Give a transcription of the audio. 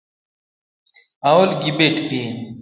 Aol gi bet piny